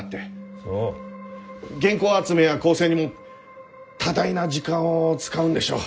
原稿集めや構成にも多大な時間を使うんでしょう。